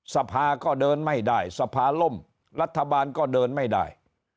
สภาก็เดินไม่ได้สภาล่มรัฐบาลก็เดินไม่ได้